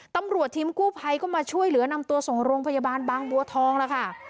ตำรวจทีมกู้ภัยก็มาช่วยเหลือนำตัวส่งโรงพยาบาลบางบัวทองแล้วค่ะ